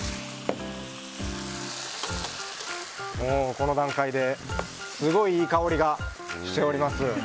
この段階ですごいいい香りがしております。